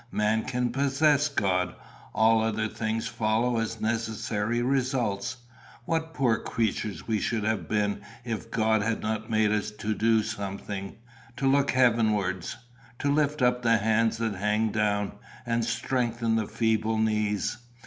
Man can possess God: all other things follow as necessary results. What poor creatures we should have been if God had not made us to do something to look heavenwards to lift up the hands that hang down, and strengthen the feeble knees!